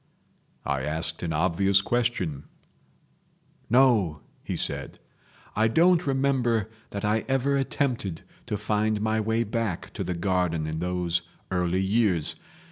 I asked an obvious question. "No," he said. "I don't remember that I ever attempted to find my way back to the garden in those early years.